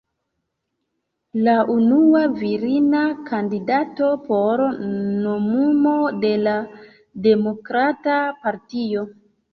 La unua virina kandidato por nomumo de la demokrata partio.